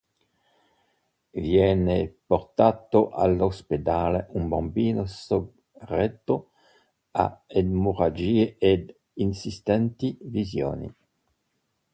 Viene portato all'ospedale un bambino soggetto ad emorragie ed insistenti visioni.